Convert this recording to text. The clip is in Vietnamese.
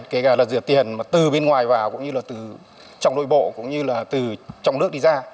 kể cả rửa tiền từ bên ngoài vào cũng như là từ trong đôi bộ cũng như là từ trong nước đi ra